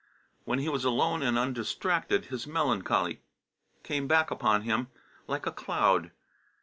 When he was alone and undistracted, his melancholy came back upon him like a cloud.